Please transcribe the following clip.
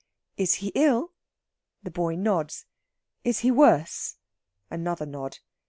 "Is he ill?" The boy nods. "Is he worse?" Another nod.